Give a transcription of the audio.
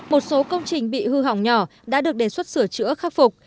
một số công trình bị hư hỏng nhỏ đã được đề xuất sửa chữa khắc phục